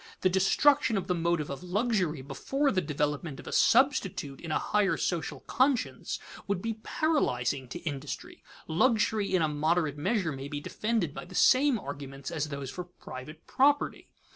The destruction of the motive of luxury before the development of a substitute in a higher social conscience, would be paralyzing to industry. Luxury in a moderate measure may be defended by the same arguments as those for private property.